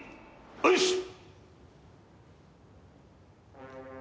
よしっ！